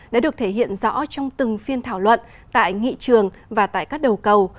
đã được thể hiện rõ trong từng phiên thảo luận tại nghị trường và tại các đầu cầu